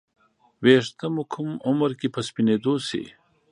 ې ویښته مو کوم عمر کې په سپینیدو شي